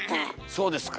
そうですか？